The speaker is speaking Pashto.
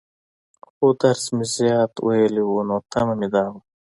خو درس مې زيات وويلى وو، نو تمه مې دا وه.